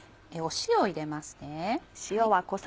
塩を入れますね。